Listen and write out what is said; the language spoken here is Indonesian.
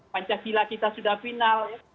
pancasila kita sudah final